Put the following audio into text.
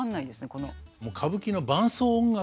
この。